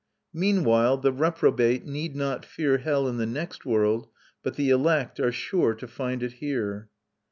Meanwhile the reprobate need not fear hell in the next world, but the elect are sure to find it here.